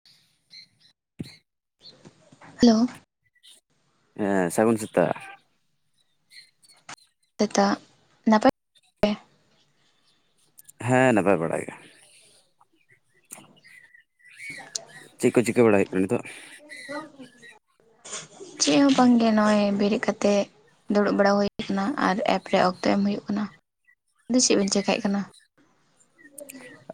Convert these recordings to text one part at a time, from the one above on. [inaudible] Hello ᱦᱮᱸ ᱥᱟᱹᱜᱩᱱ ᱥᱮᱛᱟᱜ [unintelligible] ᱦᱮᱸ ᱱᱟᱯᱟᱭ ᱵᱟᱲᱟ ᱜᱮ [inaudible] ᱪᱮᱠ ᱠᱚ ᱪᱤᱠᱟᱹ ᱵᱟᱲᱟᱭ ᱦᱩᱭᱩᱜ ᱠᱟᱱᱟ ᱱᱤᱛᱚᱜ? ᱪᱮᱠ ᱦᱚᱸ ᱵᱟᱝ ᱜᱮ ᱱᱚᱜᱼᱚᱸᱚᱭ ᱵᱮᱨᱮᱫ ᱠᱟᱛᱮᱫ ᱫᱩᱲᱩᱵ ᱵᱟᱲᱟ ᱦᱩᱭ ᱠᱟᱱᱟ ᱟᱨ ᱮᱯᱨᱮ ᱚᱠᱛᱚ ᱮᱢ ᱦᱩᱭᱩᱜ ᱠᱟᱱᱟ᱾ ᱟᱫᱚ ᱪᱮᱫ ᱦᱚᱸ ᱵᱟᱝ ᱪᱮᱠᱟᱭ ᱠᱟᱱᱟ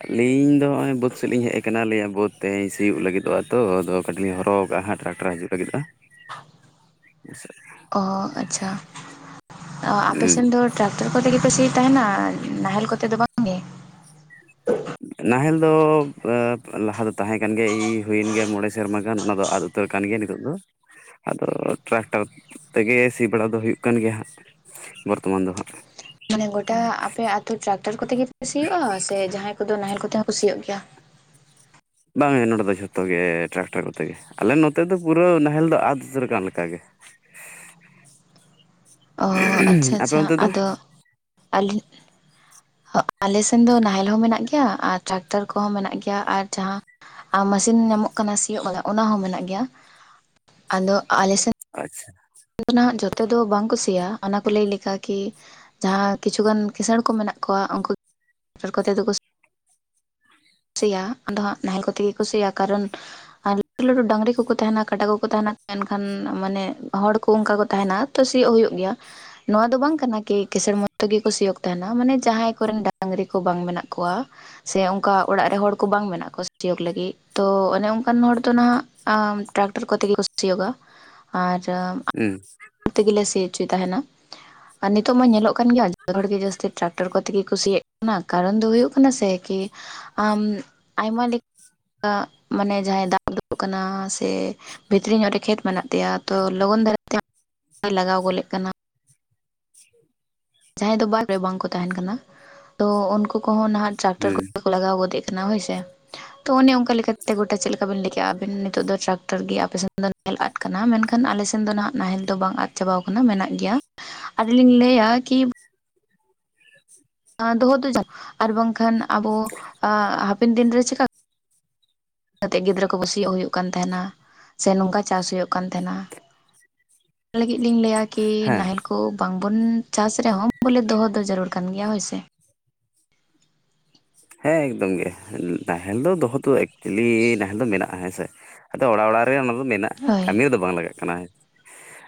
ᱟᱹᱞᱤᱧ ᱫᱚ ᱱᱚᱜᱼᱚᱭ ᱵᱟᱹᱫᱽᱫ ᱥᱮᱫᱞᱤᱤᱧ ᱟᱞᱤᱧ ᱫᱚ ᱱᱚᱜ-ᱚᱭ ᱵᱟᱹᱫᱽ ᱥᱮᱫ ᱞᱤᱧ ᱦᱮᱡ ᱟᱠᱟᱱᱟ ᱾ ᱵᱟᱹᱫᱽ ᱛᱮᱦᱮᱧ ᱥᱤᱭᱳᱜ ᱞᱟᱹᱜᱤᱫᱚᱜᱼᱟ ᱛᱚ ᱟᱫᱚ ᱠᱟᱹᱴᱤᱡ ᱦᱚᱨᱚᱜ ᱠᱟᱜ ᱦᱟᱸᱜ ᱴᱨᱟᱠᱴᱟᱨ ᱦᱤᱡᱩᱜ ᱞᱟᱹᱜᱤᱫᱼᱟ ᱥᱮ ᱚ ᱟᱪᱪᱷᱟ ᱟᱯᱮᱥᱮᱱ ᱫᱚ ᱴᱨᱟᱠ ᱛᱚᱨ ᱠᱚᱛᱮ ᱜᱮᱯᱮ ᱥᱤ ᱛᱟᱦᱮᱱᱟ ᱱᱟᱦᱮᱞ ᱠᱚᱛᱮ ᱫᱚ ᱵᱟᱝ [inaudible] ᱱᱟᱦᱮᱞ ᱫᱚ, ᱞᱟᱦᱟ ᱫᱚ ᱛᱟᱦᱮᱸ ᱠᱟᱱ ᱜᱮᱭᱟ ᱦᱩᱭᱮᱱ ᱜᱮᱭᱟ ᱢᱚᱬᱮ ᱥᱮᱨᱢᱟ ᱜᱟᱱ ᱚᱱᱟ ᱫᱚ ᱟᱫ ᱩᱛᱟᱹᱨ ᱠᱟᱱ ᱜᱮᱭᱟ ᱱᱤᱛᱚᱜ ᱫᱚ᱾ ᱟᱫᱚ ᱴᱨᱟᱠᱴᱟᱨ ᱛᱮᱜᱮ ᱥᱤ ᱵᱟᱲᱟ ᱫᱚ ᱦᱩᱭᱩᱜ ᱠᱟᱱ ᱜᱮᱭᱟ ᱦᱟᱸᱜ ᱵᱚᱨᱛᱚᱢᱟᱱ ᱫᱚ ᱦᱟᱸᱜ ᱢᱟᱱᱮ ᱜᱚᱴᱟ ᱟᱯᱮ ᱟᱛᱳ ᱴᱨᱟᱠᱴᱟᱨ ᱠᱚᱛᱮ ᱜᱮᱯᱮ ᱥᱤᱭᱩᱜ-ᱟ ᱥᱮ ᱡᱟᱦᱟᱸᱭ ᱠᱚᱫᱚ ᱱᱟᱦᱮᱞ ᱠᱚᱛᱮ ᱦᱚᱸ ᱠᱚ ᱥᱤᱭᱩᱜ ᱜᱮᱭᱟ᱾ ᱵᱟᱝᱟ ᱱᱚᱸᱰᱮ ᱫᱚ ᱡᱷᱚᱛᱚ ᱜᱮ ᱴᱨᱟᱠᱴᱟᱨ ᱠᱚᱛᱮ ᱜᱮ᱾ ᱟᱞᱮ ᱱᱚᱛᱮ ᱫᱚ ᱯᱩᱨᱟᱹ ᱱᱟᱦᱮᱞ ᱫᱚ ᱟᱫ ᱩᱛᱟᱹᱨ ᱠᱟᱱ ᱞᱮᱠᱟᱜᱮ ᱚ ᱟᱯᱮ ᱚᱱᱛᱮ ᱫᱚ? ᱟᱹᱞᱤ ᱟᱞᱮ ᱥᱮᱱ ᱫᱚ ᱱᱟᱦᱮᱞ ᱦᱚᱸ ᱢᱮᱱᱟᱜ ᱜᱮᱭᱟ ᱟᱨ ᱴᱨᱟᱠᱴᱟᱨ ᱠᱚᱦᱚᱸ ᱢᱮᱱᱟᱜ ᱜᱮᱭᱟ ᱟᱨ ᱡᱟᱦᱟᱸ ᱢᱮᱥᱤᱱ ᱧᱟᱢᱚᱜ ᱠᱟᱱᱟ ᱥᱤᱭᱳᱜ ᱠᱟᱱᱟ ᱚᱱᱟ ᱦᱚᱸ ᱢᱮᱱᱟᱜ ᱜᱮᱭᱟ ᱾ ᱟᱫᱚ ᱟᱞᱮ ᱥᱮᱫ ᱟᱪᱪᱷᱟ ᱱᱟᱜ ᱡᱷᱚᱛᱚ ᱫᱚ ᱵᱟᱝ ᱠᱚ ᱥᱤᱭᱟ ᱚᱱᱟ ᱠᱚ ᱞᱟᱹᱭ ᱞᱮᱠᱟ ᱠᱤ ᱡᱟᱦᱟᱸ ᱠᱤᱪᱷᱩᱜᱟᱱ ᱠᱤᱥᱟᱹᱬ ᱠᱚ ᱢᱮᱱᱟᱜ ᱠᱚᱣᱟ ᱾ ᱩᱱᱠᱩ [unintelligible] ᱠᱤᱥᱟᱹᱬ ᱥᱤᱭᱟ᱾ ᱟᱫᱚ ᱦᱟᱸᱜ ᱱᱟᱦᱮᱞ ᱠᱚᱛᱮ ᱜᱮᱠᱚ ᱥᱤᱭᱟ ᱠᱟᱨᱚᱱ ᱟᱨ ᱞᱟᱹᱴᱩ ᱞᱟᱹᱴᱩ ᱰᱟᱝᱝᱨᱤ ᱠᱚᱠᱚ ᱰᱟᱝᱨᱤ ᱠᱚᱠᱚ ᱛᱟᱦᱮᱱᱟ ᱠᱟᱸᱰᱟ ᱠᱚᱠᱚ ᱛᱟᱦᱮᱱᱟ ᱾ᱮᱱᱠᱷᱟᱱ ᱢᱟᱱᱮ ᱦᱚᱲ ᱠᱚ ᱚᱱᱠᱟ ᱠᱚ ᱛᱟᱦᱮᱱᱟ ᱛᱚ ᱥᱤᱭᱚᱜ ᱦᱩᱭᱩᱜ ᱜᱮᱭᱟ ᱱᱚᱣᱟ ᱫᱚ ᱵᱟᱝ ᱠᱟᱱᱟ ᱠᱤ ᱠᱮᱥᱬ ᱢᱚᱛᱚ ᱱᱚᱣᱟ ᱫᱚ ᱵᱟᱝ ᱠᱟᱱᱟ ᱜᱮ ᱠᱤᱸᱥᱟᱹᱲ ᱢᱚᱛᱚ ᱜᱮᱠᱚ ᱥᱤᱭᱳᱜ ᱛᱟᱦᱮᱱᱟ ᱢᱟᱱᱮ ᱡᱟᱦᱟᱸᱭ ᱠᱚᱨᱮᱱ ᱰᱟᱝᱨᱤ ᱠᱚ ᱵᱟᱝ ᱢᱮᱱᱟᱜ ᱠᱚᱣᱟ ᱥᱮ ᱚᱱᱠᱟ ᱚᱲᱟᱜ ᱨᱮ ᱦᱚᱲ ᱠᱚ ᱵᱟᱝ ᱢᱮᱱᱟᱜ ᱠᱚᱣᱟ ᱥᱩᱡᱳᱜ ᱞᱟᱹᱜᱤᱫ᱾ ᱛᱚ ᱚᱱᱮ ᱚᱱᱠᱟᱱ ᱦᱚᱲ ᱫᱚ ᱱᱟᱦᱟᱜ ᱴᱨᱟᱠᱴᱟᱨ ᱠᱚᱛᱮ ᱜᱮ [unintelligible] ᱥᱤᱭᱳᱜᱟ ᱟᱨ ᱦᱩᱸ ᱛᱮᱜᱮ ᱥᱤ ᱦᱚᱪᱚᱭ ᱛᱟᱦᱮᱱᱟ ᱟᱨ ᱱᱤᱛᱚᱜ ᱢᱟ ᱧᱮᱞᱚᱜ ᱠᱟᱱ ᱜᱮᱭᱟ ᱡᱚᱛᱚ ᱦᱚᱲ ᱜᱮ ᱡᱟᱥᱛᱤ ᱴᱨᱟᱠᱴᱟᱨ ᱠᱚᱛᱮ ᱛᱮᱜᱮ ᱠᱚ ᱥᱤᱭᱮᱜ ᱠᱟᱱᱟ ᱠᱟᱨᱚᱱ ᱫᱚ ᱦᱩᱭᱩᱜ ᱠᱟᱱᱟ ᱥᱮ ᱠᱤ ᱟᱢ ᱟᱭᱢᱟ ᱞᱮᱠ ᱮᱫ ᱢᱟᱱᱮ ᱡᱟᱦᱟᱸᱭ ᱫᱟᱜ ᱫᱩᱜ ᱠᱟᱱᱟ ᱥᱮ ᱵᱷᱤᱛᱨᱤ ᱧᱚᱜ ᱨᱮ ᱠᱷᱮᱛ ᱢᱮᱱᱟᱜ ᱛᱟᱭᱟ ᱛᱚ ᱞᱚᱜᱚᱱ ᱫᱷᱟᱨᱟᱛᱮ ᱵᱟᱭ ᱞᱟᱜᱟᱣ ᱜᱚᱞᱮᱜ ᱠᱟᱱᱟ ᱡᱟᱦᱟᱸᱭ ᱫᱚ ᱵᱟᱨ ᱨᱮ ᱵᱟᱝᱠᱚ ᱛᱟᱦᱮᱱ ᱠᱟᱱᱟ ᱛᱚ ᱩᱱᱠᱩ ᱠᱚᱦᱚᱸ ᱱᱟᱦᱟᱜ ᱴᱨᱟᱠᱴᱟᱨ ᱦᱩᱸ ᱠᱚ ᱞᱟᱜᱟᱣ ᱜᱚᱫᱮᱜ ᱠᱟᱱᱟ ᱦᱳᱭᱥᱮ ᱛᱚ ᱚᱱᱮ ᱚᱱᱠᱟ ᱞᱮᱠᱟᱛᱮ ᱜᱚᱴᱟ ᱪᱮᱫ ᱞᱮᱠᱟᱵᱤᱱ ᱞᱟᱹᱭ ᱠᱮᱜᱼᱟ ᱟᱵᱤᱱ ᱱᱤᱛᱚᱜ ᱫᱚ ᱴᱨᱟᱠᱴᱚᱨ ᱜᱮ ᱟᱯᱮ ᱥᱮᱱ ᱫᱚ ᱱᱟᱦᱮᱞ ᱟᱫ ᱠᱟᱱᱟ ᱢᱮᱱᱠᱷᱟᱱ ᱟᱞᱮ ᱥᱮᱱ ᱫᱚ ᱱᱟᱦᱟᱜ ᱱᱟᱦᱮᱞ ᱫᱚ ᱵᱟᱝ ᱟᱫ ᱪᱟᱵᱟᱣ ᱠᱟᱱᱟ ᱢᱮᱱᱟᱜ ᱜᱮᱭᱟ ᱟᱨ ᱞᱤᱧ ᱞᱟᱹᱭᱟ ᱠᱤ ᱫᱚᱦᱚ ᱫᱚᱩ ᱡᱟ ᱟᱨ ᱵᱟᱝᱠᱷᱟᱱ ᱟᱵᱚ ᱦᱟᱯᱮᱱ ᱫᱤᱱᱨᱮ ᱪᱮᱠᱟ ᱤᱱᱟᱹᱛᱮᱜ ᱜᱤᱫᱽᱨᱟᱹ ᱠᱚ ᱥᱤᱭᱟᱹᱜ ᱦᱩᱭᱩᱜ ᱠᱟᱱ ᱛᱟᱦᱮᱱᱟ ᱥᱮ ᱱᱚᱝᱠᱟ ᱪᱟᱥ ᱦᱩᱭᱩᱜ ᱠᱟᱱ ᱛᱟᱦᱮᱱᱟ ᱚᱱᱟ ᱞᱟᱹᱜᱤᱫ ᱞᱤᱧ ᱞᱟᱹᱭᱟ ᱠᱤ ᱦᱮᱸ ᱱᱟᱦᱮᱞ ᱠᱚ ᱵᱟᱝᱵᱚᱱ ᱪᱟᱥ ᱨᱮᱦᱚᱸ ᱵᱚᱞᱮ ᱫᱚᱦᱚ ᱫᱚ ᱡᱟᱹᱨᱩᱲ ᱠᱟᱱ ᱜᱮᱭᱟ ᱦᱳᱭ ᱥᱮ ᱦᱮᱸ ᱮᱠᱫᱚᱢ ᱜᱮ ᱱᱟᱦᱮᱞ ᱫᱚ ᱫᱚᱦᱚ ᱛᱚ ᱮᱠᱪᱮᱞᱤ ᱱᱟᱦᱮᱞ ᱫᱚ ᱢᱮᱱᱟᱜᱼᱟ ᱦᱮᱸ ᱥᱮ ᱟᱫᱚ ᱚᱲᱟᱜ ᱚᱲᱟᱜ ᱨᱮ ᱚᱱᱟᱫᱚ ᱢᱮᱱᱟᱜᱼᱟ ᱦᱳᱭ ᱠᱟᱹᱢᱤ ᱨᱮᱫᱚ ᱵᱟᱝ ᱞᱟᱜᱟᱜ ᱠᱟᱱᱟ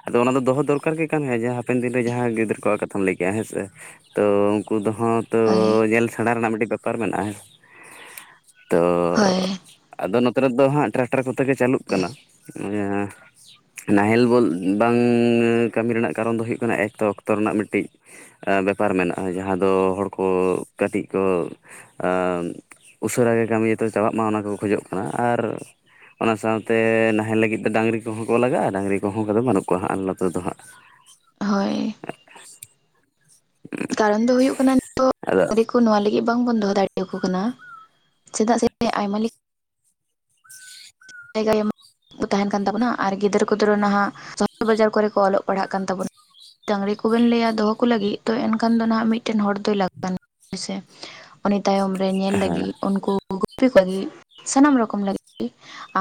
ᱟᱫᱚ ᱚᱱᱟ ᱫᱚᱦᱚ ᱫᱚᱨᱠᱟᱨ ᱜᱮ ᱠᱟᱱ ᱦᱟᱯᱮᱱ ᱫᱤᱱᱨᱮ ᱡᱟᱦᱟᱸ ᱜᱤᱫᱽᱨᱟᱹ ᱠᱚᱣᱟᱜ ᱠᱟᱛᱷᱟᱢ ᱞᱟᱹᱭ ᱠᱮᱫ ᱼᱟ ᱦᱮᱸ ᱥᱮ ᱛᱚ ᱩᱱᱠᱩ ᱫᱚ ᱦᱚᱸ ᱛᱚ ᱦᱳᱭ ᱧᱮᱞ ᱥᱮᱬᱟ ᱨᱮᱱᱟᱜ ᱢᱤᱫᱴᱤᱡ ᱵᱮᱯᱟᱨ ᱢᱮᱱᱟᱜᱼᱟ ᱛᱚ ᱦᱳᱭ ᱟᱫᱚ ᱱᱚᱛᱮ ᱨᱮ ᱫᱚ ᱦᱟᱸᱜ ᱴᱨᱟᱠᱴᱟᱨ ᱠᱚᱛᱮ ᱜᱮ ᱪᱟᱹᱞᱩᱜ ᱠᱟᱱᱟ ᱱᱟᱦᱮᱞ ᱵᱚᱞ ᱵᱟᱝ ᱠᱟᱹᱢᱤ ᱨᱮᱱᱟᱜ ᱠᱟᱨᱚᱱ ᱫᱚ ᱦᱩᱭᱩᱜ ᱠᱟᱱᱟ ᱮᱠᱛᱚ ᱚᱠᱛᱚ ᱨᱮᱱᱟᱜ ᱢᱤᱫᱴᱤᱡ ᱵᱮᱯᱟᱨ ᱢᱮᱱᱟᱜᱼᱟ ᱡᱟᱦᱟᱸ ᱫᱚ ᱦᱚᱲ ᱠᱚ ᱠᱟᱹᱴᱤᱡ ᱠᱚ ᱟ ᱩᱥᱟᱹᱨᱟ ᱜᱮ ᱠᱟᱹᱢᱤ ᱛᱚ ᱪᱟᱵᱟᱜ ᱢᱟ ᱚᱱᱟ ᱠᱚ ᱠᱷᱚᱡᱚᱜ ᱠᱟᱱᱟ ᱟᱨ ᱚᱱᱟ ᱥᱟᱶᱛᱮ ᱱᱟᱦᱮᱞ ᱞᱟᱹᱜᱤᱫ ᱫᱚ ᱰᱟᱹᱝᱨᱤ ᱠᱚᱦᱚᱸ ᱠᱚ ᱞᱟᱜᱟᱜᱼᱟ ᱰᱟᱹᱝᱨᱤ ᱠᱚᱦᱚᱸ ᱚᱱᱠᱟ ᱫᱚ ᱵᱟᱹᱱᱩᱜ ᱠᱚᱣᱟ ᱦᱟᱸᱜ ᱱᱛᱮ ᱫᱚ ᱦᱟᱸᱜ [inaudible] ᱦᱳᱭ [inaudible] ᱠᱟᱨᱚᱱ ᱫᱚ ᱦᱩᱭᱩᱜ ᱠᱟᱱᱟ ᱟᱫᱚ ᱱᱤᱛᱚᱜ ᱱᱚᱶᱟ ᱞᱟᱹᱜᱤᱫ ᱵᱟᱝᱵᱚᱱ ᱫᱚᱦᱚ ᱫᱟᱲᱮ ᱟᱠᱠᱚ ᱠᱟᱱᱟ ᱪᱮᱫᱟᱜ ᱥᱮ ᱟᱭᱢᱟ ᱞᱮ ᱡᱟᱭᱜᱟ ᱡᱮᱢᱚᱱ ᱛᱟᱦᱮᱱ ᱠᱟᱱ ᱛᱟᱵᱳᱱᱟ ᱟᱨ ᱜᱤᱫᱽᱨᱟᱹ ᱠᱚᱫᱨᱚ ᱱᱟᱦᱟᱜ ᱥᱚᱦᱚᱨ ᱵᱟᱡᱟᱨ ᱠᱚᱨᱮ ᱠᱚ ᱚᱞᱚᱜ ᱯᱟᱲᱦᱟᱜ ᱠᱟᱱ ᱛᱟᱵᱚᱱᱟ ᱰᱟᱝᱽᱤ ᱠᱚᱵᱮᱱ ᱞᱟᱹᱭ ᱫᱚᱦᱚ ᱠᱚ ᱞᱟᱹᱜᱤᱫ ᱛᱚ ᱮᱱᱠᱷᱟᱱ ᱫᱚ ᱱᱟᱦᱟᱜ ᱢᱤᱫᱴᱮᱱ ᱦᱚᱲ ᱫᱚᱭ ᱞᱟᱜ ᱠᱟᱱᱟ ᱦᱮᱥᱮ ᱩᱱᱤ ᱛᱟᱭᱚᱢ ᱨᱮ ᱧᱮᱞ ᱞᱟᱹᱜᱤᱫ ᱩᱱᱠᱩ ᱜᱩᱯᱤ ᱠᱚ ᱞᱟᱹᱜᱤᱫ ᱥᱟᱱᱟᱢ ᱨᱚᱠᱚᱢ ᱞᱟᱹᱜᱤᱫ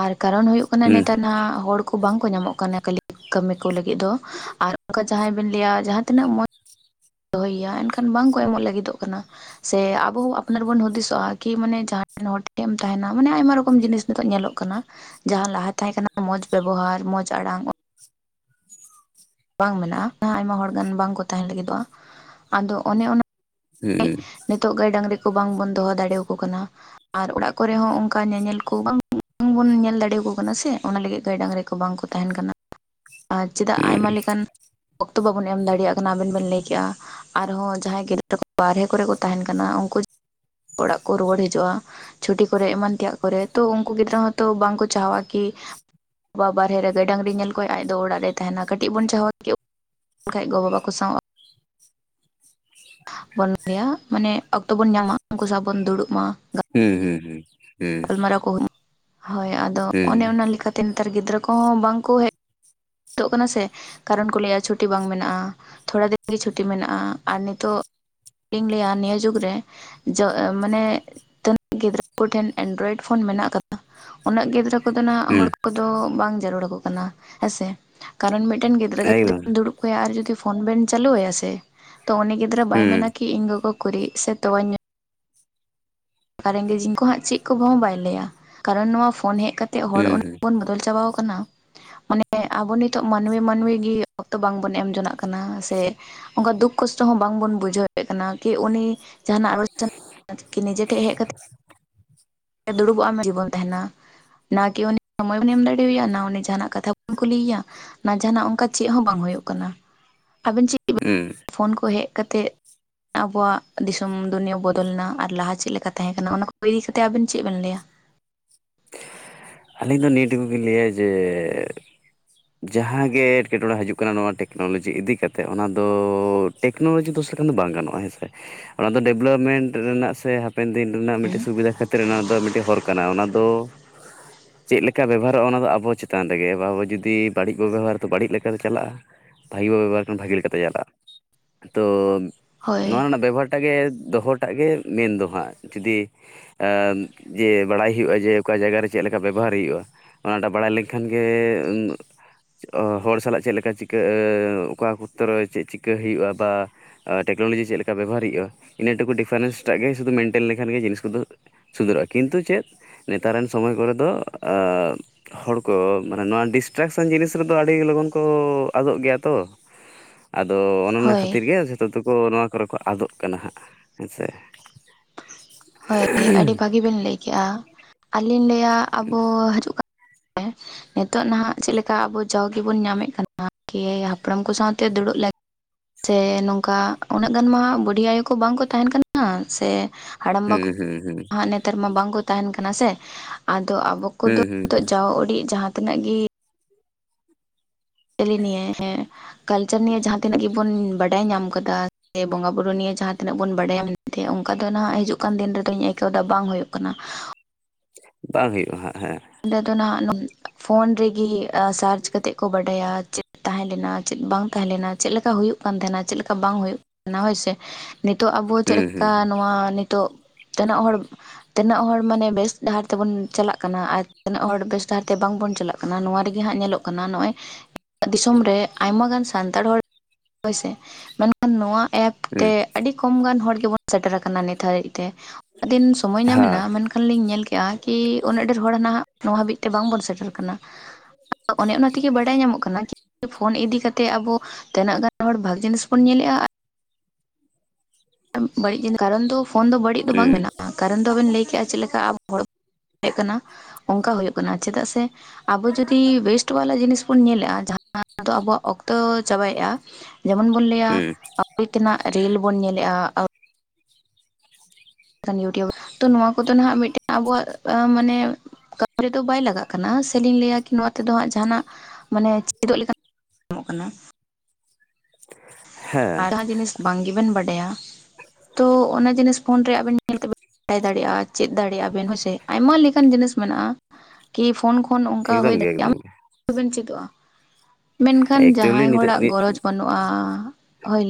ᱟᱨ ᱠᱟᱨᱚᱱ ᱦᱩᱭᱩᱜᱜ ᱠᱟᱱᱟ ᱦᱩᱸ ᱱᱮᱛᱟᱨ ᱱᱟ ᱦᱚᱲ ᱵᱟᱝ ᱠᱚ ᱧᱟᱢᱚᱜ ᱠᱟᱱᱟ ᱠᱷᱟᱹᱞᱤ ᱠᱟᱹᱢᱤ ᱠᱚ ᱞᱟᱹᱜᱤᱫ ᱫᱚ ᱟᱨ ᱚᱱᱠᱟ ᱡᱟᱦᱟᱸᱭ ᱵᱮᱱ ᱞᱟᱹᱭᱟ ᱡᱟᱦᱟᱸ ᱛᱤᱱᱟᱹᱜ ᱢᱚ ᱫᱚᱦᱚᱭᱮᱭᱟ ᱮᱱᱠᱷᱟᱱ ᱵᱟᱝᱠᱚ ᱮᱢᱚᱜ ᱞᱟᱹᱜᱤᱫᱚᱜ ᱠᱟᱱᱟ ᱥᱮ ᱟᱵᱚ ᱦᱚᱸ ᱟᱯᱱᱟᱨ ᱵᱚᱱ ᱦᱩᱫᱤᱥᱚᱜᱼᱟ ᱠᱤ ᱢᱟᱱᱮ ᱡᱟᱦᱟᱸ ᱦᱚᱲ ᱴᱷᱮᱱ ᱮᱢ ᱛᱟᱦᱮᱱᱟ ᱢᱟᱱᱮ ᱟᱭᱢᱟ ᱨᱚᱠᱚᱢ ᱡᱤᱱᱤᱥ ᱱᱤᱛᱚᱜ ᱧᱮᱞᱚᱜ ᱠᱟᱱᱟ ᱡᱟᱦᱟᱸ ᱞᱟᱦᱟ ᱛᱟᱦᱮᱸ ᱠᱟᱱᱟ ᱢᱚᱸᱡᱽ ᱵᱮᱵᱚᱦᱟᱨ ᱢᱚᱸᱡᱽ ᱟᱲᱟᱝ ᱵᱟᱝ ᱢᱮᱱᱟᱜᱼᱟ ᱟᱭᱢᱟ ᱦᱚᱲ ᱜᱟᱱ ᱵᱟᱝᱠᱚ ᱛᱟᱦᱮᱸᱱ ᱞᱟᱹᱜᱤᱫᱚᱜᱼᱟ ᱟᱫᱚ ᱚᱱᱮ ᱚᱱᱟ ᱦᱩᱸ ᱱᱤᱛᱚᱜ ᱜᱟᱹᱭ ᱰᱟᱝᱨᱤ ᱠᱚ ᱵᱟᱝᱵᱚᱱ ᱫᱚᱦᱚ ᱫᱟᱲᱮᱭᱟᱠᱚ ᱠᱟᱱᱟ ᱟᱨ ᱚᱲᱟᱜ ᱠᱚᱨᱮ ᱦᱚᱸ ᱚᱱᱠᱟ ᱧᱮᱧᱮᱞ ᱠᱚ ᱵᱟᱝ ᱵᱟᱝ ᱵᱚᱱ ᱧᱮᱞ ᱫᱟᱲᱮᱭᱟᱠᱚ ᱠᱟᱱᱟ ᱥᱮ ᱚᱱᱟ ᱞᱟᱹᱜᱤᱫ ᱜᱟᱹᱭ ᱰᱟᱝᱨᱤ ᱠᱚ ᱵᱟᱝ ᱠᱚ ᱛᱟᱦᱮᱱ ᱠᱟᱱᱟ ᱟᱨ ᱪᱮᱫᱟᱜ ᱦᱩᱸ ᱟᱭᱢᱟ ᱞᱮᱠᱟᱱ ᱚᱠᱛᱚ ᱵᱟᱵᱚᱱ ᱮᱢ ᱫᱟᱲᱮᱭᱟᱜ ᱠᱟᱱᱟ ᱟᱵᱮᱱ ᱵᱮᱱ ᱞᱟᱹᱭ ᱠᱮᱜᱼᱟ ᱟᱨᱦᱚᱸ ᱡᱟᱦᱟᱸᱭ ᱜᱤᱫᱽᱨᱟᱹ ᱵᱟᱨᱦᱮ ᱠᱚᱨᱮ ᱠᱚ ᱛᱟᱦᱮᱱ ᱠᱟᱱᱟ ᱩᱱᱠᱩ ᱚᱲᱟᱜ ᱠᱚ ᱨᱩᱣᱟᱹᱲ ᱦᱤᱡᱩᱜᱼᱟ ᱪᱷᱩᱴᱤ ᱠᱚᱨᱮᱜ ᱮᱢᱟᱱ ᱛᱮᱭᱟᱜ ᱠᱚᱨᱮ ᱛᱚ ᱩᱱᱠᱩ ᱜᱤᱫᱽᱨᱟᱹ ᱦᱚᱸᱛᱚ ᱵᱟᱝᱠᱚ ᱪᱟᱦᱟᱜᱼᱟ ᱠᱤ ᱵᱟ ᱵᱟᱨᱦᱮ ᱨᱮ ᱜᱟᱹᱭ ᱰᱟᱹᱟᱝᱨᱤ ᱧᱮᱞ ᱠᱷᱚᱡ ᱟᱡ ᱫᱚ ᱚᱲᱟᱜ ᱨᱮ ᱛᱟᱦᱮᱱᱟ ᱠᱟᱹᱴᱤᱡ ᱵᱚᱱ ᱪᱟᱦᱟᱣ ᱠᱤ ᱠᱷᱟᱡ ᱜᱚ ᱵᱟᱵᱟ ᱠᱚ ᱥᱟᱶ ᱵᱚᱱ ᱞᱚᱱᱟᱹᱭᱟ ᱢᱟᱱᱮ ᱚᱠᱛᱚ ᱵᱚᱱ ᱧᱟᱢᱟ ᱩᱱᱠᱩ ᱥᱟᱶ ᱵᱚᱱ ᱫᱩᱲᱩᱵ ᱢᱟ ᱦᱩᱸ ᱦᱩᱸ ᱦᱩᱸ ᱦᱩᱸ ᱜᱟᱯᱟᱞᱢᱟᱨᱟᱣ ᱠᱚ ᱦᱩᱭᱩᱜᱼᱟ ᱦᱳᱭ ᱟᱫᱚ ᱚᱱᱮ ᱦᱩᱸ ᱚᱱᱟ ᱞᱮᱠᱟᱛᱮ ᱱᱮᱛᱟᱨ ᱜᱤᱫᱽᱨᱟᱹ ᱠᱚᱦᱚᱸ ᱵᱟᱝᱠᱚ ᱦᱮᱡ ᱛᱚᱜ ᱠᱟᱱᱟ ᱥᱮ ᱠᱟᱨᱚᱱ ᱠᱚ ᱞᱟᱹᱭᱟ ᱪᱷᱩᱴᱤ ᱵᱟᱝ ᱢᱮᱱᱟᱜᱼᱟ ᱛᱷᱚᱲᱟ ᱫᱤᱱᱜᱮ ᱪᱷᱩᱴᱤ ᱢᱮᱱᱟᱜᱼᱟ ᱟᱨ ᱱᱤᱛᱚᱜ ᱠᱟᱹᱴᱤᱧ ᱞᱟᱹᱭᱟ ᱱᱤᱭᱟᱹ ᱡᱩᱜᱽ ᱨᱮ ᱡᱟ ᱢᱟᱱᱮ ᱱᱟᱹᱜ ᱜᱤᱫᱽᱨᱟᱹ ᱠᱚᱴᱷᱮᱱ ᱮᱱᱰᱨᱚᱭᱮᱰ ᱯᱷᱳᱱ ᱢᱮᱱᱟᱜ ᱟᱠᱟᱫᱟ ᱩᱱᱟᱹᱜ ᱜᱤᱫᱽᱨᱟᱹ ᱠᱚᱫᱚ ᱦᱟᱜ ᱦᱩᱸ ᱦᱚᱲ ᱠᱚᱫᱚ ᱵᱟᱝ ᱡᱟᱹᱨᱩᱲᱟᱠᱚ ᱠᱟᱱᱟ ᱦᱮᱸᱥᱮ ᱠᱟᱨᱚᱱ ᱢᱤᱫᱴᱮᱱ ᱜᱤᱫᱽᱨᱟᱹ ᱡᱩᱫᱤ ᱮᱠᱫᱚᱢ ᱫᱩᱲᱩᱵ ᱠᱟᱭᱟ ᱟᱨ ᱡᱩᱫᱤ ᱯᱷᱳᱱ ᱵᱮᱱ ᱪᱟᱹᱞᱩ ᱟᱭᱟ ᱥᱮ ᱛᱚ ᱩᱱᱤ ᱜᱤᱫᱽᱨᱟᱹ ᱵᱟᱭ ᱦᱩᱸ ᱢᱮᱱᱟ ᱠᱤ ᱤᱧ ᱜᱚᱜᱚ ᱩᱠᱩᱨᱤᱡ ᱥᱮ ᱛᱣᱟᱧ ᱧᱩ ᱨᱮᱱᱜᱮ ᱡᱤᱝ ᱠᱚ ᱦᱟᱸᱜ ᱪᱮᱫ ᱠᱚᱦᱚᱸ ᱵᱟᱭ ᱞᱟᱹᱭᱟ ᱠᱟᱨᱚᱱ ᱱᱚᱣᱟ ᱯᱷᱳᱱ ᱦᱮᱡ ᱠᱟᱛᱮ ᱛᱮ ᱦᱚᱲ ᱦᱩᱸ ᱩᱱᱟ ᱦᱩᱸ ᱵᱚᱱ ᱵᱚᱫᱚᱞ ᱪᱟᱵᱟ ᱠᱟᱱᱟ᱾ ᱚᱱᱮ ᱟᱵᱚ ᱱᱤᱛᱚᱜ ᱢᱟᱹᱱᱢᱤ ᱢᱟᱹᱱᱢᱤ ᱜᱮ ᱚᱠᱛᱚ ᱵᱟᱝᱵᱚᱱ ᱮᱢ ᱡᱚᱱᱟᱜ ᱠᱟᱱᱟ ᱥᱮ᱿ ᱚᱱᱠᱟ ᱫᱩᱠ ᱠᱚᱥᱴᱚ ᱦᱚᱸ ᱵᱟᱝᱵᱚᱱ ᱵᱩᱡᱷᱟᱹᱣᱮᱫ ᱠᱟᱱᱟ ᱠᱤ ᱩᱱᱤ ᱡᱟᱦᱟᱱᱟᱜ ᱱᱤᱡᱮ ᱴᱷᱮᱡ ᱦᱮᱡ ᱠᱟᱛᱮ ᱫᱩᱲᱩᱵᱚᱜᱼᱟ ᱢᱮ ᱵᱤᱡᱤᱵᱚᱱ ᱛᱟᱦᱮᱱᱟ᱾ ᱱᱟ ᱠᱤ ᱩᱱᱤ ᱥᱚᱢᱚᱭ ᱵᱚᱱ ᱮᱢ ᱫᱟᱲᱮᱣᱟᱭᱟ ᱱᱟ ᱩᱱᱤ ᱡᱟᱦᱟᱱᱟᱜ ᱠᱟᱛᱷᱟ ᱵᱚᱱ ᱠᱩᱞᱤᱭᱮᱭᱟ᱿ ᱡᱟᱦᱟᱱᱟᱜ ᱚᱱᱠᱟ ᱪᱮᱫ ᱦᱚᱸ ᱵᱟᱝ ᱦᱩᱭᱩᱜ ᱠᱟᱱᱟ ᱟᱵᱮᱱ ᱪᱮᱫ ᱦᱩᱸ ᱯᱷᱳᱱ ᱠᱚ ᱦᱮᱡ ᱠᱟᱛᱮ ᱟᱵᱚᱣᱟᱜ ᱫᱤᱥᱚᱢ ᱫᱩᱱᱤᱭᱟᱹ ᱵᱚᱫᱚᱞᱱᱟ ᱟᱨ ᱞᱟᱦᱟ ᱪᱮᱫ ᱞᱮᱠᱟ ᱛᱟᱦᱮᱸ ᱠᱟᱱᱟ ᱚᱱᱟ ᱠᱚ ᱤᱫᱤ ᱠᱟᱛᱮ ᱟᱵᱤᱱ ᱪᱮᱫ ᱵᱮᱱ ᱞᱟᱹᱭᱟ᱿ ᱟᱹᱞᱤᱧ ᱫᱚ ᱱᱤᱭᱟᱹ ᱴᱩᱠᱩ ᱞᱤᱧ ᱞᱟᱹᱭᱟ ᱡᱮ᱿ ᱡᱟᱦᱟᱸᱜᱮ ᱮᱴᱠᱮᱴᱚᱬᱮ ᱦᱤᱡᱩᱜ ᱠᱟᱱᱟ ᱱᱚᱣᱟ ᱴᱮᱠᱱᱳᱞᱚᱡᱤ ᱤᱫᱤ ᱠᱟᱛᱮᱫ ᱚᱱᱟ ᱫᱚ᱾ ᱴᱮᱠᱱᱳᱞᱚᱡᱤ ᱫᱳᱥ ᱞᱮᱠᱷᱟᱱ ᱫᱚ ᱵᱟᱝ ᱜᱟᱱᱚᱜᱼᱟ ᱦᱮᱸᱥᱮ ᱚᱱᱟ ᱫᱚ ᱰᱮᱵᱷᱞᱚᱯᱢᱮᱱᱴ ᱨᱮᱱᱟᱜ ᱥᱮ᱿ ᱦᱟᱯᱮᱱ ᱫᱤᱱ ᱨᱮᱱᱟᱜ ᱢᱤᱫᱴᱤᱡ ᱥᱩᱵᱤᱫᱟ ᱠᱷᱟᱹᱛᱤᱨ ᱚᱱᱟ ᱫᱚ ᱢᱤᱫᱴᱮᱱ ᱦᱚᱨ ᱠᱟᱱᱟ ᱚᱱᱟ ᱫᱚ ᱪᱮᱫ ᱞᱮᱠᱟ ᱵᱮᱵᱚᱦᱟᱨᱚᱜᱼᱟ ᱚᱱᱟ ᱫᱚ ᱟᱵᱚ ᱪᱮᱛᱟᱱ ᱨᱮᱜᱮ ᱟᱵᱚ ᱡᱚᱫᱤ ᱵᱟᱲᱤᱡ ᱵᱚ ᱵᱮᱵᱚᱦᱟᱨᱼᱟ ᱵᱟᱹᱲᱤᱡ ᱞᱮᱠᱟ ᱛᱮ ᱪᱟᱞᱟᱜᱼᱟ ᱵᱷᱟᱹᱜᱮ ᱵᱚ ᱵᱮᱵᱚᱦᱟᱨ ᱠᱟᱱ ᱵᱷᱟᱹᱜᱮ ᱞᱮᱠᱟᱛᱮ ᱪᱟᱞᱟᱜᱼᱟ ᱛᱚ ᱦᱳᱭ ᱱᱚᱣᱟ ᱨᱮᱱᱟᱜ ᱵᱮᱵᱚᱦᱟᱨ᱿ ᱮᱴᱟᱜ ᱜᱮ ᱫᱚᱦᱚᱴᱟᱜ ᱜᱮ ᱢᱮᱱ ᱫᱚ ᱦᱟᱸᱜ ᱡᱩᱫᱤ ᱡᱮ ᱵᱟᱲᱟᱭᱼᱼ ᱦᱩᱭᱩᱜᱼᱟ ᱡᱮ ᱚᱠᱟ ᱡᱟᱭᱜᱟ ᱨᱮ ᱪᱮᱫ ᱞᱮᱠᱟ ᱵᱮᱵᱚᱦᱟᱨ ᱦᱩᱭᱩᱜᱼᱟ ᱚᱱᱟᱴᱟᱜ ᱵᱟᱲᱟᱭ ᱞᱮᱱᱠᱷᱟᱱ ᱜᱮᱼᱼ ᱦᱚᱲ ᱥᱟᱞᱟᱜ ᱪᱮᱫ ᱞᱮᱠᱟ ᱪᱤᱠᱟᱹ ᱚᱠᱟ ᱚᱛᱠᱚᱨ ᱨᱮ ᱪᱮᱫ ᱪᱤᱠᱟᱹᱭ ᱦᱩᱭᱩᱜᱼᱟ ᱵᱟ᱾ ᱟᱨ ᱴᱮᱠᱱᱳᱞᱚᱡᱤ ᱪᱮᱫ ᱞᱮᱠᱟ ᱵᱮᱵᱚᱦᱟᱨ ᱦᱩᱭᱩᱜᱼᱟ ᱤᱱᱟᱹ ᱴᱩᱠᱩ ᱰᱤᱯᱷᱟᱨᱮᱱᱥ ᱴᱟᱜ ᱜᱮ ᱥᱩᱫᱩ ᱢᱮᱱᱴᱮᱱ ᱞᱮᱠᱷᱟᱱ ᱜᱮ ᱡᱤᱱᱤᱥ ᱠᱚᱫᱚ᱾ ᱥᱩᱫᱷᱟᱹᱨᱚᱜᱼᱟ ᱠᱤᱱ ᱛᱚ ᱪᱮᱫ ᱱᱮᱛᱟᱨ ᱨᱮᱱ ᱥᱚᱢᱚᱭ ᱠᱚᱨᱮ ᱫᱚᱼᱼ ᱦᱚᱲᱠᱚ ᱢᱟᱱᱮ ᱱᱚᱣᱟ ᱰᱤᱥᱴᱨᱟᱠᱥᱮᱱ ᱡᱤᱱᱤᱥ ᱨᱮᱫᱚ ᱟᱹᱰᱤ ᱞᱚᱜᱚᱱ ᱠᱚ ᱟᱫᱚᱜ ᱜᱮᱭᱟ ᱛᱚ᱿ [unintelligible] ᱟᱫᱚ ᱚᱱᱮ ᱚᱱᱟ ᱦᱳᱭ ᱠᱷᱟᱹᱛᱤᱨ ᱜᱮ ᱡᱷᱚᱛᱚ ᱛᱮᱠᱚ ᱱᱚᱣᱟ ᱠᱚᱨᱮ ᱠᱚ ᱟᱫᱚᱜ ᱠᱟᱱᱟ ᱦᱟᱸᱜ ᱦᱮᱸᱥᱮ᱿ ᱦᱳᱭ ᱟᱹᱰᱤ ᱵᱷᱟᱹᱜᱤᱵᱮᱱ ᱞᱟᱹᱭᱠᱮᱜᱼᱟ ᱟᱹᱞᱤᱧ ᱞᱟᱹᱭᱟ ᱟᱵᱚ ᱦᱮᱸ ᱱᱤᱛᱚᱜ ᱱᱟᱦᱟᱜ ᱪᱮᱫᱮᱠᱟ ᱟᱵᱚ ᱡᱟᱣ ᱜᱮᱵᱚᱱ ᱧᱟᱢᱮᱫ ᱠᱟᱱᱟ ᱦᱟᱯᱲᱟᱢ ᱠᱚ ᱥᱟᱶᱛᱮ ᱫᱩᱲᱩᱵ ᱞᱮᱱᱼᱼ ᱥᱮ ᱱᱚᱝᱠᱟ ᱩᱱᱟᱹᱜ ᱜᱟᱱ ᱢᱟ ᱵᱩᱰᱷᱤ ᱟᱭᱳ ᱠᱚ ᱵᱟᱝᱠᱚ ᱛᱟᱦᱮᱱ ᱠᱟᱱᱟ ᱥᱮ᱿ ᱦᱟᱲᱟᱢ ᱦᱩᱸ ᱵᱟᱠᱚ ᱦᱩᱸ ᱦᱩᱸ ᱦᱜ ᱱᱮᱛᱟᱨ ᱢᱟ ᱵᱟᱝᱠᱚ ᱛᱟᱦᱮᱱ ᱠᱟᱱᱟ ᱥᱮ ᱟᱫᱚ ᱟᱵᱚᱼᱼ ᱦ ᱠᱩ ᱦᱩᱸ ᱫᱚ ᱦᱩᱸ ᱱᱤᱛᱚᱜ ᱡᱟ ᱲᱤᱡ ᱡᱟᱦᱟᱸᱛᱤ [unintelligible] ᱱᱟᱹᱜ ᱜᱮ ᱪᱮᱞᱮ ᱱᱤᱭ ᱦᱮᱸ ᱠᱟᱞᱪᱟᱨ ᱱᱤᱭᱮ ᱡᱟᱦᱟᱸ ᱛᱤᱱᱟᱹᱜ ᱜᱮᱵᱚᱱ ᱵᱟᱰᱟᱭ ᱧᱟᱢ ᱟᱠᱟᱫᱟ ᱥᱮ ᱵᱚᱸᱜᱟ ᱵᱩᱨᱩ ᱱᱤᱭᱮ ᱡᱟᱦᱟᱸ ᱛᱤᱱᱟᱹᱜ ᱵᱚᱱ ᱵᱟᱰᱟᱭ ᱧᱟᱢ᱿ ᱚᱱᱠᱟ ᱫᱚ ᱱᱟᱦᱟᱜ ᱦᱤᱡᱩᱜ ᱠᱟᱱ ᱫᱤᱱ ᱨᱮᱫᱚᱧ ᱟᱹᱭᱠᱟᱹᱣ ᱫᱟ ᱵᱟᱝ ᱦᱩᱭᱩᱜ ᱠᱟᱱᱟ᱿ ᱵᱟᱝ ᱦᱩᱭᱩᱜᱼᱟ ᱦᱟᱸᱜ ᱦᱮᱸ᱿ ᱚᱸᱰᱮ ᱫᱚ ᱱᱟᱦᱱᱟᱜ ᱯᱷᱳᱱ ᱨᱮᱜᱮ ᱥᱟᱨᱪ ᱠᱟᱛᱮ ᱮᱫ ᱠᱚ ᱵᱟᱰᱟᱭᱟ ᱪᱮᱫᱼᱼ ᱛᱟᱦᱮᱸᱞᱱᱟ ᱪᱮᱫ ᱵᱟᱝ ᱛᱟᱦᱮᱸᱞᱮᱱᱟ ᱪᱮᱫᱚ ᱞᱮᱠᱟ ᱦᱩᱭᱩᱜ ᱠᱟᱱ ᱛᱟᱦᱮᱱᱟ ᱪᱮᱫ ᱞᱮᱠᱟ ᱵᱟᱝ ᱦᱩᱭᱩᱜ ᱛᱟᱦᱮᱱᱟ ᱦᱳᱭᱥᱮ ᱱᱤᱛᱚᱜ ᱟᱵᱚ ᱪᱮᱫ ᱦᱩᱸ ᱞᱮᱠᱟ ᱦᱩᱸ ᱱᱚᱣᱟ ᱱᱤᱛᱚᱜ ᱛᱤᱱᱟᱹᱜ ᱦᱚᱲ ᱛᱤᱱᱟᱹᱜ ᱦᱚᱲ ᱢᱟᱱᱮ ᱵᱮᱥ ᱰᱟᱦᱟᱨ ᱛᱮᱵᱚᱱ ᱪᱟᱞᱟᱜ ᱠᱟᱱᱟ ᱟᱨ᱾ ᱛᱤᱱᱟᱹᱜ ᱦᱚᱲ ᱵᱮᱥ ᱰᱟᱦᱟᱨ ᱛᱮ ᱵᱟᱝᱵᱚᱱ ᱪᱟᱞᱟᱜ ᱠᱟᱱᱟ ᱱᱚᱣᱟ ᱨᱮ᱾ ᱦᱟᱸᱜ ᱧᱮᱞᱚᱜ ᱠᱟᱱᱟ ᱱᱚᱜᱼᱚᱭ ᱫᱤᱥᱚᱢ ᱨᱮ ᱟᱭᱢᱟ ᱜᱟᱱ ᱥᱟᱱᱛᱟᱲ ᱦᱚᱲ᱾ ᱦᱳᱭᱥᱮ ᱢᱮᱱᱠᱷᱟᱱ ᱱᱚᱣᱟ ᱮᱯ ᱛᱮ ᱦᱩᱸ ᱟᱹᱰᱤ᱿ ᱟᱹᱰᱤ ᱠᱚᱢ ᱜᱟᱱ ᱦᱚᱲ ᱜᱮᱵᱚᱱ ᱥᱮᱴᱮᱨ ᱟᱠᱟᱱᱟ ᱱᱤᱛ ᱦᱟᱹᱨᱤᱡ ᱛᱮ ᱩᱱᱟᱜ ᱫᱤᱱ ᱥᱚᱢᱚᱭ ᱧᱟᱢᱮᱱᱟ ᱦᱳᱭ ᱢᱮᱱᱠᱷᱟᱱ ᱞᱤᱧ ᱧᱮᱞ ᱠᱮᱫᱼᱟ ᱠᱤ ᱩᱱᱟᱹᱜ ᱰᱷᱮᱨ ᱦᱚᱲ ᱱᱟᱜ ᱱᱚᱣᱟ ᱦᱟᱹᱵᱤᱡ ᱛᱮ ᱵᱟᱝᱵᱚᱱ ᱥᱮᱴᱮᱨ ᱠᱟᱱᱟ᱾ ᱚᱱᱮ ᱚᱱᱟ ᱛᱮᱜᱮ ᱵᱟᱰᱟᱭ ᱧᱟᱢᱚᱜ ᱠᱟᱱᱟ ᱯᱷᱳᱱ ᱤᱫᱤ ᱠᱟᱛᱮ ᱟᱵᱚ ᱛᱤᱱᱟᱹᱜ ᱜᱟᱱ ᱦᱚᱲ ᱵᱷᱟᱜᱮ ᱡᱤᱱᱤᱥ ᱵᱚᱱ ᱧᱮᱞᱮᱜᱼᱟ ᱵᱟᱹᱲᱤᱡ ᱡᱤᱱᱤᱥ ᱠᱟᱨᱚᱱ ᱫᱚ ᱯᱷᱳᱱ ᱫᱚ ᱵᱟᱹᱲᱤᱡ ᱫᱚ ᱵᱟᱝ ᱦᱩᱸ ᱢᱮᱱᱟᱜᱼᱟ ᱠᱟᱨᱚᱱ ᱫᱚ ᱟᱵᱮᱱ ᱞᱟᱹᱭ ᱠᱮᱜᱼᱟ ᱪᱮᱫ ᱞᱮᱠᱟ ᱟᱵᱚ ᱦᱚᱲᱼᱼ ᱛᱟᱦᱮᱸ ᱠᱟᱱᱟ ᱚᱱᱠᱟ ᱦᱩᱭᱩᱜ ᱠᱟᱱᱟ ᱪᱮᱫᱟᱜ ᱥᱮ ᱟᱵᱚ ᱡᱚᱫᱤ ᱳᱭᱮᱥᱴ ᱵᱟᱞᱟ ᱡᱤᱱᱤᱥ ᱵᱚᱱ ᱧᱮᱞ ᱮᱼᱟ ᱡᱟᱦᱟᱸ ᱫᱚ ᱟᱵᱚᱣᱟᱜ ᱚᱠᱛᱚ ᱪᱟᱵᱟᱭᱮᱜᱼᱟ᱾ ᱡᱮᱢᱚᱱ ᱵᱚᱱ ᱞᱟᱹᱭᱟ ᱦᱩᱸ ᱟᱹᱵᱤ ᱛᱮᱱᱟᱜ ᱨᱤᱞ ᱵᱚᱱ ᱧᱮᱞᱮᱜᱼᱟ ᱤᱭᱩᱴᱩᱵᱽ ᱛᱚ ᱱᱚᱣᱟ ᱠᱚᱫᱚ ᱱᱟᱟᱜ ᱢᱤᱫᱴᱮᱱ ᱟᱵᱚᱣᱟᱜ ᱢᱟᱱᱮ ᱠᱟᱹᱢᱤ ᱨᱮᱫᱚ ᱵᱟᱭ ᱞᱟᱜᱟᱜ ᱠᱟᱱᱟ ᱥᱮᱞᱤᱧ ᱞᱟᱹᱭᱟ ᱠᱤ ᱱᱚᱣᱟ ᱪᱮᱫᱚ ᱦᱟᱸᱜ ᱡᱟᱦᱱᱟᱜ ᱢᱟᱱᱮ ᱪᱮᱫᱚᱜ ᱞᱮᱠᱟ ᱧᱟᱢᱚᱜ ᱠᱟᱱᱟ ᱦ [unintelligible] ᱟᱨ ᱡᱟᱦᱟᱸ ᱡᱤᱱᱤᱥ ᱵᱟᱝ ᱜᱮᱵᱮᱱ ᱵᱟᱰᱟᱭᱟ ᱛᱚ ᱚᱱᱟ ᱡᱤᱱᱤᱥ ᱯᱷᱳᱱ ᱨᱮ ᱟᱵᱮᱱ ᱧᱮᱞ ᱵᱮᱱ ᱵᱟᱲᱟᱭ ᱫᱟᱲᱮᱭᱟᱜᱼᱟ ᱪᱮᱫ ᱫᱟᱲᱮᱭᱟᱜᱼᱟ ᱵᱮᱱ ᱦᱮᱸᱥᱮ ᱟᱭᱢᱟ ᱞᱮᱠᱟᱱ ᱡᱤᱱᱤᱥ ᱢᱮᱱᱟᱜᱼᱟ ᱠᱤ ᱯᱷᱳᱱ ᱠᱷᱚᱱ ᱚᱱᱠᱟ ᱮᱠᱫᱚᱢ ᱦᱩᱭ ᱜᱮ ᱫᱟᱲᱮᱭᱟᱜᱼᱟ ᱮᱠᱫᱚᱢ ᱜᱮ ᱵᱮᱱ ᱪᱮᱫᱚᱜᱼᱟ ᱢᱮᱱᱠᱷᱟᱱ ᱮᱠᱪᱩᱭᱮᱞᱤ ᱡᱟᱦᱟᱸᱭ ᱱᱤᱛᱚᱜ ᱦᱚᱲᱟᱜ ᱜᱚᱨᱚᱚᱡ ᱵᱟᱹᱱᱩᱜᱼᱟ ᱦᱚᱭ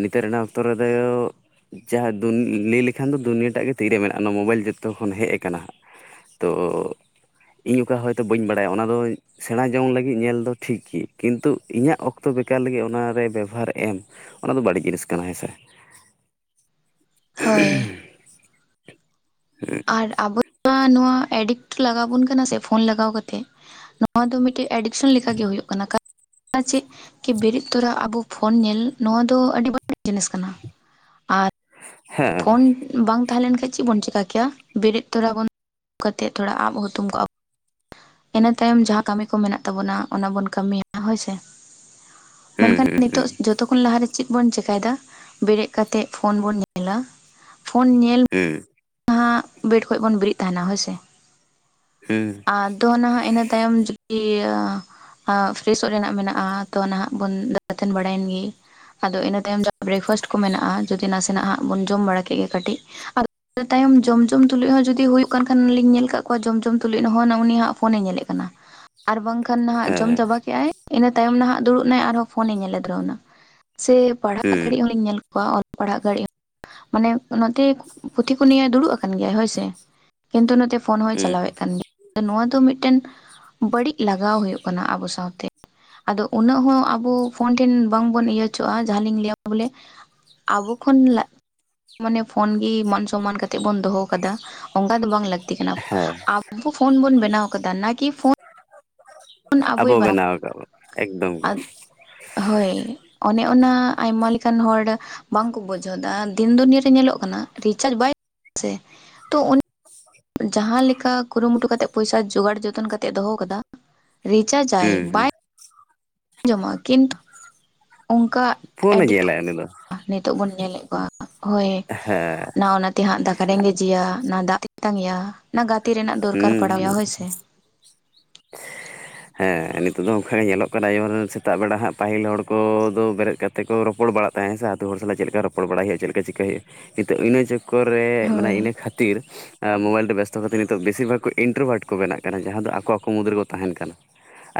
ᱱᱤᱛᱳᱜ ᱨᱮᱱᱟᱜ ᱚᱠᱛᱚ ᱨᱮᱫᱚ ᱭᱳ ᱡᱟᱦᱟᱸ ᱞᱟᱹᱭ ᱞᱮᱠᱷᱟᱱ ᱫᱚ ᱫᱩᱱᱭ ᱴᱟᱜ ᱜᱮ ᱛᱤᱨᱮ ᱢᱮᱱᱟᱜᱼᱟ ᱚᱱᱟ ᱢᱳᱵᱟᱭᱤᱞ ᱡᱚᱛᱚ ᱠᱷᱚᱱ ᱦᱮᱡ ᱠᱟᱱᱟ ᱦᱟᱸᱜ᱾ ᱛᱚ ᱤᱧ ᱚᱠᱟ ᱦᱚᱭᱛᱳ ᱵᱟᱹᱧ ᱵᱟᱲᱟᱭᱟ ᱚᱱᱟ ᱫᱚ ᱥᱮᱬᱟ ᱡᱚᱝ ᱞᱟᱹᱜᱤᱫ ᱧᱮᱞ ᱫᱚ ᱴᱷᱤᱠᱜ ᱠᱤᱱᱛᱩ ᱤᱧᱟᱹᱜ ᱚᱠᱛᱚ ᱵᱮᱠᱟᱨ ᱞᱟᱹᱜᱤᱫ ᱚᱱᱟᱨᱮ ᱵᱮᱵᱚᱦᱟᱨ ᱮᱢ ᱚᱱᱟᱫᱚ ᱵᱟᱹᱲᱤᱡ ᱡᱤᱱᱤᱥ ᱠᱟᱱᱟ ᱦᱮᱸᱥᱮ? ᱦᱳᱭ ᱟᱨ ᱟᱵᱚ ᱱᱚᱣᱟ ᱮᱰᱤᱠᱴ ᱞᱟᱜᱟᱣ ᱵᱚᱱ ᱠᱟᱱᱟ ᱥᱮ ᱯᱷᱳᱱ ᱞᱟᱜᱟᱣ ᱠᱟᱛᱮᱫ᱾ ᱱᱚᱣᱟ ᱫᱚ ᱢᱤᱫᱴᱮᱡ ᱮᱰᱤᱠᱥᱚᱱ ᱞᱮᱠᱟᱜᱮ ᱦᱩᱭᱩᱜ ᱠᱟᱱᱟ ᱪᱮᱫ ᱠᱤ ᱵᱮᱨᱮᱫ ᱛᱚᱨᱟ ᱟᱵᱚ ᱯᱷᱳᱱ ᱧᱮᱞ ᱱᱚᱣᱟ ᱫᱚ ᱟᱹᱰᱤ ᱵᱟᱹᱲᱤᱡ ᱡᱤᱱᱤᱥ ᱠᱟᱱᱟ᱾ ᱟᱨ ᱦᱮᱸ ᱯᱷᱳᱱ ᱵᱟᱝ ᱛᱟᱦᱮᱸ ᱞᱮᱱ ᱠᱷᱟᱱ ᱪᱮᱫ ᱵᱚᱱ ᱪᱤᱠᱟᱹ ᱠᱮᱭᱟ, ᱵᱮᱨᱮᱫ ᱛᱚᱨᱟ ᱵᱚᱱ ᱛᱮᱫ ᱛᱷᱚᱲᱟ ᱟᱵ ᱦᱛᱩᱢ ᱠᱟᱜᱼᱟ ᱵᱚᱱ᱾ ᱤᱱᱟᱹ ᱛᱟᱭᱚᱢ ᱡᱟᱦᱟᱸ ᱠᱟᱹᱢᱤ ᱠᱚ ᱢᱮᱱᱟᱜ ᱛᱟᱵᱳᱱᱟ ᱚᱱᱟ ᱵᱚᱱ ᱠᱟᱹᱢᱤᱭᱟ ᱦᱳᱭᱥᱮ᱾ ᱦᱩᱸ ᱢᱮᱱᱠᱷᱟᱱ ᱦᱩᱸ ᱦᱩᱸ ᱱᱤᱛᱚᱜ ᱡᱚᱛᱚᱠᱷ ᱠᱷᱚᱱ ᱞᱟᱦᱟᱨᱮ ᱪᱮᱫ ᱵᱚᱱ ᱪᱮᱠᱟᱭᱮᱫᱟ ᱵᱮᱨᱮᱫᱛᱜ ᱯᱷᱳᱱ ᱵᱚᱱ ᱧᱮᱞ ᱧᱮᱞᱟ ᱯᱷᱳᱱ ᱧᱮᱞ ᱦᱮᱸ ᱡᱟᱦᱟᱸ ᱵᱮᱰ ᱠᱷᱚᱱᱚᱡ ᱵᱚᱱ ᱵᱮᱨᱮᱫ ᱛᱟᱦᱮᱱᱟ ᱦᱳᱭᱥᱮ᱾ ᱦᱮᱸ ᱟᱨ ᱫᱚ ᱱᱟᱦᱟᱜ ᱤᱱᱟᱹ ᱛᱟᱭᱚᱢ ᱡᱩᱫᱤ ᱟᱸ ᱟᱸ ᱯᱷᱨᱮᱥᱚᱜ ᱨᱮᱱᱟᱜ ᱢᱮᱱᱟᱜᱼᱟ ᱛᱚ ᱱᱟᱦᱟᱜ ᱵᱚᱱ ᱵᱟᱲᱟᱭᱮᱱ ᱜᱮ ᱟᱫᱚ ᱤᱱᱟᱹ ᱛᱟᱭᱚᱢ ᱡᱚ ᱵᱨᱮᱠᱯᱷᱟᱥᱴ ᱠᱚ ᱢᱮᱱᱟᱜᱼᱟ ᱡᱩᱫᱤ ᱱᱟᱥᱮᱱᱟᱜ ᱦᱜ ᱵᱚᱱ ᱡᱚᱢ ᱵᱟᱲᱟ ᱠᱮᱫ ᱜᱮ ᱠᱟᱹᱴᱤᱡ, ᱤᱱᱟᱹ ᱛᱟᱭᱚᱢ ᱡᱚᱢ ᱡᱚᱢ ᱛᱩᱞᱩᱡ ᱦᱚᱸ ᱡᱩᱫᱤ ᱦᱩᱭᱩᱜ ᱠᱟᱱ ᱠᱷᱟᱱ ᱞᱤᱧ ᱧᱮᱞ ᱠᱫ ᱠᱚᱣᱟ ᱡᱚᱢ ᱡᱚᱢ ᱛᱩᱞᱩᱡ ᱦᱚᱸ ᱩᱱᱤ ᱦᱟᱸᱜ ᱯᱷᱳᱱᱮ ᱧᱮᱞᱮᱜ ᱠᱟᱱᱟ᱾ ᱟᱨ ᱵᱟᱝᱠᱷᱟᱱ ᱱᱟᱦᱟᱜ ᱡᱚᱢ ᱪᱟᱵᱟ ᱠᱮᱫᱮᱜᱼᱟᱭ, ᱤᱱᱟᱹ ᱛᱟᱭᱚᱢ ᱱᱟᱦᱟᱜ ᱫᱩᱲᱩᱵ ᱱᱟᱭ ᱟᱨᱦᱚᱸ ᱯᱷᱳᱱᱮ ᱧᱮᱞᱮ ᱫᱷᱟᱹᱣ ᱱᱟ ᱥᱮ ᱦᱮᱸ ᱯᱟᱲᱦᱟᱜ ᱦᱩᱸ ᱜᱷᱟᱹᱲᱤᱡ ᱦᱚᱸᱧ ᱧᱮᱞ ᱠᱚᱣᱟ ᱚᱞᱚᱜ ᱯᱟᱲᱦᱟᱜ ᱜᱷᱟᱹᱲᱤᱡ ᱦᱚᱸ ᱢᱟᱱᱮ ᱚᱱᱟᱛᱮ ᱯᱩᱛᱷᱤ ᱠᱚ ᱱᱤᱭᱮ ᱫᱩᱲᱩᱵ ᱟᱠᱟᱱ ᱜᱮᱭᱟᱭ ᱦᱳᱭᱥᱮ ᱠᱤᱱᱛᱩ ᱱᱚᱛᱮ ᱯᱷᱳᱱ ᱦᱚᱭ ᱦᱩᱸ ᱪᱟᱞᱟᱣᱮᱫ ᱠᱟᱱ ᱜᱮᱭᱟ᱾ ᱱᱚᱣᱟ ᱫᱚ ᱢᱤᱫᱴᱮᱱ ᱵᱟᱹᱲᱤᱡ ᱞᱟᱜᱟᱣᱳᱭ ᱠᱟᱱᱟ ᱟᱵᱚ ᱥᱟᱶᱛᱮ ᱟᱫᱚ ᱩᱱᱟᱹᱜ ᱦᱚᱸ ᱟᱵᱚ ᱯᱷᱳᱱ ᱴᱷᱮᱱ ᱵᱟᱝ ᱵᱚᱱ ᱤᱭᱟᱹ ᱦᱚᱪᱣᱟᱜᱼᱟ ᱡᱟᱦᱟᱸ ᱞᱤᱧ ᱟᱹ ᱵᱚᱞᱮ ᱟᱵᱚ ᱠᱷᱚᱱ ᱢᱟᱱᱮ ᱯᱷᱳᱱ ᱤ ᱢᱟᱱ ᱥᱚᱱᱢᱟᱱ ᱠᱟᱛᱮᱜ ᱵᱚᱱ ᱫᱭᱚᱦᱚ ᱠᱟᱫᱟ᱾ ᱚᱱᱠᱟ ᱫᱚ ᱵᱟᱝ ᱞᱟᱹᱠᱛᱤ ᱠᱟᱱᱟ ᱦᱮᱸ ᱟᱵᱚ ᱯᱷᱳᱱ ᱵᱚᱱ ᱵᱮᱱᱟᱣ ᱟᱠᱟᱫᱟ ᱱᱟ ᱠᱤ ᱯᱷᱳᱱ ᱟᱵᱚ ᱵᱮᱱᱟᱣ ᱟᱠᱟᱫ ᱵᱚᱱᱟ ᱮᱠᱫᱚᱢ ᱜᱮ᱾ ᱦᱳᱭ ᱚᱱᱮ ᱚᱱᱟ ᱟᱭᱢᱟ ᱞᱮᱠᱟᱱ ᱦᱚᱲ ᱵᱟᱝᱠᱚ ᱵᱩᱡᱷᱟᱹᱣ ᱫᱟ ᱫᱤᱱ ᱫᱚ ᱱᱤᱭᱟᱹ ᱨᱮ ᱧᱮᱞᱚᱜ ᱠᱟᱱᱟ ᱨᱤᱪᱟᱨᱡ ᱵᱟᱭ ᱥᱮ ᱛᱚ ᱚᱱ ᱡᱟᱦᱟᱸᱮ ᱞᱮᱠᱟ ᱠᱩᱨᱩᱢᱩᱴᱩ ᱠᱟᱛᱮ ᱯᱚᱭᱥᱟ ᱡᱚᱜᱟᱲ ᱡᱚᱛᱚᱱ ᱠᱟᱛᱮ ᱫᱚᱦᱚ ᱟᱠᱟᱫᱟ ᱨᱤᱪᱟᱨᱡ ᱟᱭ ᱦᱩᱸ ᱦᱩᱸ ᱵᱟᱭ ᱟᱸᱡᱚᱢᱚᱜᱼᱟ ᱠᱤᱱᱛᱩ ᱚᱱᱠᱟ ᱯᱷᱳᱱᱮ ᱮᱰᱤᱠᱴ ᱧᱮᱞᱟᱭ ᱩᱱᱤ ᱫᱚ ᱱᱤᱛᱚᱜ ᱵᱚᱱ ᱧᱮᱞᱮᱫ ᱠᱚᱣᱟ᱾ ᱦᱳᱭ ᱦᱮᱸ ᱱᱟ ᱚᱱᱟᱛᱮ ᱦᱟᱸᱜ ᱫᱟᱠᱟ ᱨᱮᱸᱜᱮᱡᱮᱭᱟ ᱱᱟ ᱫᱟᱜ ᱛᱮᱛᱟᱝᱮᱭᱟ ᱚᱱᱟ ᱜᱟᱛᱮ ᱨᱮᱱᱟᱜ ᱦᱩᱸ ᱫᱚᱨᱠᱟᱨ ᱦᱩᱸ ᱯᱟᱲᱟᱣᱼᱟᱭᱟ ᱦᱳᱭ ᱥᱮ [unintelligible] ᱦᱮᱸ ᱱᱤᱛᱚᱜ ᱫᱚ ᱚᱱᱠᱟᱜ ᱜᱮ ᱧᱮᱞᱚᱜ ᱠᱟᱱᱟ ᱡᱮᱢᱚᱱ ᱥᱮᱛᱟᱜ ᱵᱮᱲᱟ ᱦᱟᱸᱜ ᱯᱟᱹᱦᱤᱞ ᱦᱚᱲ ᱠᱚᱫᱚ ᱵᱮᱨᱮᱫ ᱠᱟᱛᱮᱫ ᱛᱮᱠᱚ ᱨᱚᱯᱚᱲ ᱵᱟᱲᱟᱜ ᱛᱟᱦᱮᱸ ᱥᱮ ᱟᱛᱳ ᱦᱚᱲ ᱥᱟᱞᱟᱜ ᱪᱮᱫ ᱞᱮᱠᱟ ᱨᱚᱯᱚᱲᱲᱟᱭ ᱦᱩᱭᱩᱜᱼᱟ ᱪᱮᱫ ᱞᱮᱠᱟ ᱪᱤᱠᱟᱹᱭ ᱦᱩᱭᱩᱜᱼᱟ ᱱᱤᱛᱚᱜ ᱤᱱᱟᱹᱼᱼ ᱠᱚᱨᱮ ᱢᱟᱱᱮ ᱦᱳᱭ ᱤᱱᱟᱹ ᱠᱷᱟᱹᱛᱤᱨ ᱢᱳᱵᱟᱭᱤᱞ ᱛᱮ ᱵᱮᱥᱼᱼ ᱛᱚ ᱠᱟ. ᱴᱤᱡ ᱵᱮᱥᱤᱨ ᱵᱷᱟᱜᱽ ᱤᱱᱴᱨᱳᱵᱷᱟᱴ ᱠᱚ ᱵᱮᱱᱟᱜ ᱠᱟᱱᱟ ᱡᱟᱦᱟᱸ ᱫᱚ ᱟᱠᱚ ᱟᱠᱚ ᱢᱩᱫᱽ ᱨᱮᱠᱚ ᱛᱟᱦᱮᱸᱱ ᱠᱟᱱᱟ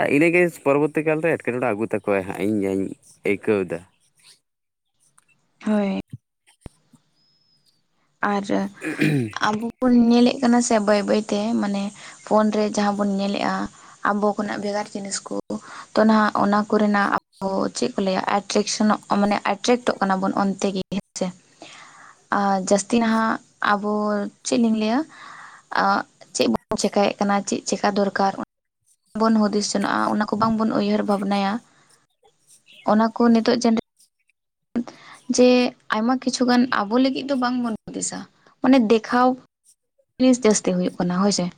ᱟᱨ ᱤᱱᱟᱹ ᱜᱮ ᱯᱚᱨᱚᱵᱚᱨᱛᱤ ᱠᱟᱞ ᱨᱮ ᱮᱴᱠᱮᱴᱚᱬᱮ ᱟᱹᱜᱩ ᱛᱟᱠᱚᱣᱟᱭ ᱦᱟᱸᱜ ᱤᱧ ᱡᱟᱧ ᱟᱹᱭᱠᱟᱹᱣ ᱮᱫᱟ ᱦᱳᱭ ᱟᱨ ᱟᱵᱚ ᱵᱚᱱ ᱧᱮᱞᱮᱫ ᱠᱟᱱᱟ ᱥᱮ ᱵᱟᱹᱭ ᱵᱟᱹᱭᱛᱮ ᱢᱟᱱᱮ ᱯᱷᱳᱱ ᱨᱮ ᱡᱟᱦᱟᱸ ᱵᱚᱱ ᱧᱮᱞᱮᱜᱼᱟ ᱟᱵᱚ ᱠᱷᱚᱱᱟᱜ ᱵᱷᱮᱜᱟᱨ ᱡᱤᱱᱤᱥ ᱠᱚ, ᱛᱚ ᱱᱟᱦᱟᱜ ᱚᱱᱟ ᱠᱚᱨᱮᱱᱟᱜ ᱟᱵᱚ ᱪᱮᱫ ᱠᱚ ᱞᱟᱹᱭᱟ ᱮᱴᱠᱥᱚᱱᱚᱜ ᱢᱟᱱᱮ ᱮᱴᱨᱟᱠᱴᱚᱜ ᱠᱟᱱᱟ ᱵᱚᱱ ᱚᱱᱛᱮ ᱜᱤ᱾ ᱦᱮᱸᱥᱮ ᱟᱨ ᱡᱟᱹᱥᱛᱤ ᱱᱟᱦᱟᱜ ᱟᱵᱚ ᱪᱮᱫ ᱞᱤᱧ ᱞᱟᱹᱭᱟ ᱪᱮᱫ ᱵᱚᱱ ᱪᱮᱠᱟᱭᱮᱫ ᱠᱟᱱᱟ ᱪᱮᱫ ᱪᱮᱠᱟ ᱫᱚᱨᱠᱟᱨ ᱵᱚᱱ ᱦᱩᱫᱤᱥ ᱥᱮᱱᱚᱜᱼᱟ ᱚᱱᱟ ᱠᱚ ᱵᱟᱝᱵᱚᱱ ᱩᱭᱦᱟᱹᱨ ᱵᱷᱟᱵᱽᱱᱟᱭᱟ ᱚᱱᱟ ᱠᱚ ᱱᱤᱛᱚᱜ ᱡᱟᱱ ᱡᱮ ᱟᱭᱢᱟ ᱠᱤᱪᱷᱩᱩᱜᱟᱱ ᱟᱵᱚ ᱞᱟᱹᱜᱤᱫ ᱫᱚ ᱵᱟᱝᱵᱚᱱ ᱦᱩᱫᱤᱥᱟ, ᱢᱟᱱᱮ ᱫᱮᱠᱷᱟᱣ ᱡᱤᱱᱤᱥ ᱡᱟᱹᱥᱛᱤ ᱦᱩᱭᱩᱜ ᱠᱟᱱᱟ ᱦᱳᱭᱥᱮ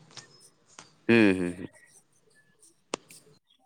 ᱦᱩᱸ ᱦᱩᱸ ᱦᱩᱸ